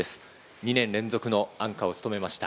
２年連続のアンカーを務めました。